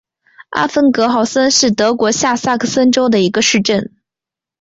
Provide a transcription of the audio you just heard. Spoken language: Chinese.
阿芬格豪森是德国下萨克森州的一个市镇。